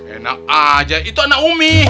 enak aja itu anak umi